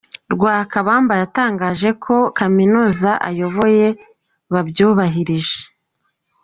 Lwakabamba yatangaje ko kaminuza ayoboye babyubahirije.